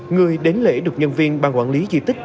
người đến lễ được nhân viên ban quản lý di tích